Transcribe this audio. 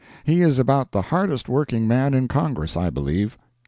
He is about he hardest working man in Congress I believe.